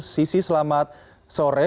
sisi selamat sore